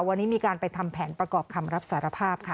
วันนี้มีการไปทำแผนประกอบคำรับสารภาพค่ะ